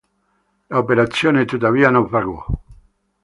L'operazione tuttavia naufragò..